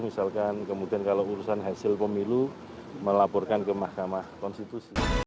misalkan kemudian kalau urusan hasil pemilu melaporkan ke mahkamah konstitusi